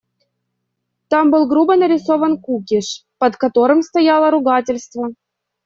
Там был грубо нарисован кукиш, под которым стояло ругательство.